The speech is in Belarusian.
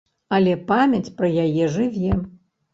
Але памяць пра яе жыве.